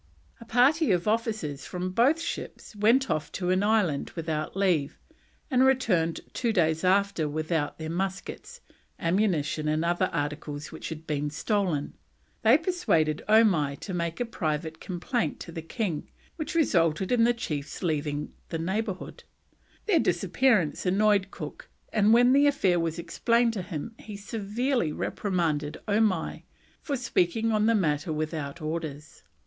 A party of officers from both ships went off to an island without leave, and returned two days after without their muskets, ammunition, and other articles which had been stolen. They persuaded Omai to make a private complaint to the king, which resulted in the chiefs leaving the neighbourhood. Their disappearance annoyed Cook, and when the affair was explained to him he severely reprimanded Omai for speaking on the matter without orders.